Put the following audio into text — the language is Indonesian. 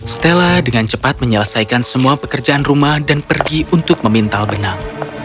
stella dengan cepat menyelesaikan semua pekerjaan rumah dan pergi untuk memintal benang